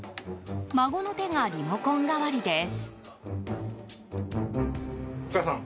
孫の手がリモコン代わりです。